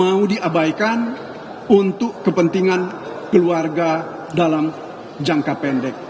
mau diabaikan untuk kepentingan keluarga dalam jangka pendek